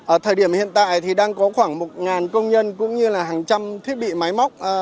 ở thời điểm hiện tại thì đang có khoảng một công nhân cũng như là hàng trăm thiết bị máy móc